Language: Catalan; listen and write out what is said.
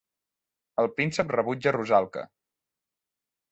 El príncep rebutja Rusalka.